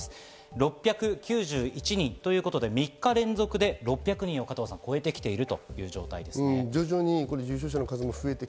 ６９１人ということで、３日連続で６００人を超えてきているということです。